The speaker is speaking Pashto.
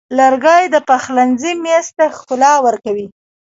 لرګی د پخلنځي میز ته ښکلا ورکوي.